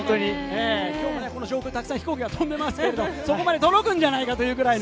上空、たくさん飛行機、飛んでますが、そこまで届くんじゃないかというくらいの。